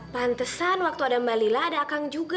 pantesan waktu ada mbak lila ada akang juga